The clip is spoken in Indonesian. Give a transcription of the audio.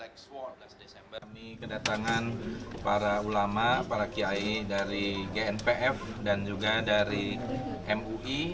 kami kedatangan para ulama para kiai dari gnpf dan juga dari mui